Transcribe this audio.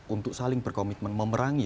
untuk saling berkomitmen memerangi